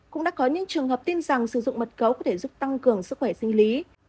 cũng đã có những trường hợp tin rằng sử dụng mật cấu có thể giúp tăng cường sức khỏe sinh lý